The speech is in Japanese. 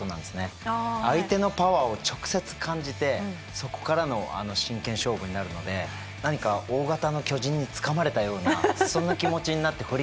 相手のパワーを直接感じてそこからの真剣勝負になるので何か大型の巨人につかまれたようなそんな気持ちになって振り回された記憶が思い出してきてます。